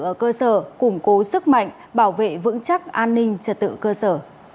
ở cơ sở củng cố sức mạnh bảo vệ vững chắc an ninh trật tự cơ sở